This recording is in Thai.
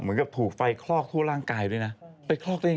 เหมือนทุกคนบอกว่าถ้าเกิดไฟไหม้ห้ามใช้ลิฟท์